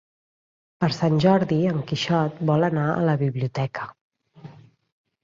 Per Sant Jordi en Quixot vol anar a la biblioteca.